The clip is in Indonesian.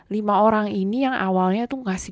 lima orang ini yang awalnya tuh ngasih